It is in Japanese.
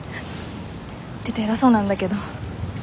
言ってて偉そうなんだけど。